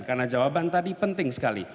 karena jawaban tadi penting sekali